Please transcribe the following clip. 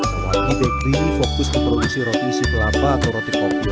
sawargi dekri ini fokus ke produksi roti isi kelapa atau roti kopior